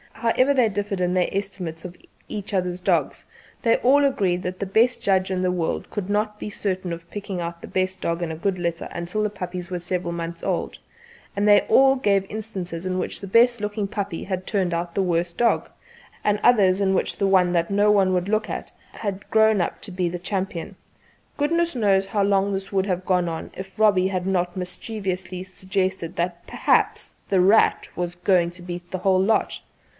However they differed in their estimates of each other's dogs, they all agreed that the best judge in the world could not be certain of picking out the best dog in a good litter until the puppies were several months old; and they all gave instances in which the best looking puppy had turned out the worst dog, and others in which the one that no one would look at had grown up to be the champion. Goodness knows how long this would have gone on if Robbie had not mischievously suggested that "perhaps 'The Rat' was going to beat the whole lot."